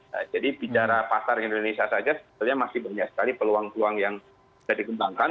nah jadi bicara pasar indonesia saja sebetulnya masih banyak sekali peluang peluang yang sudah dikembangkan